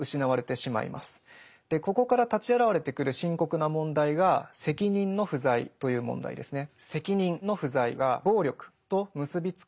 ここから立ち現れてくる深刻な問題が責任の不在という問題ですね。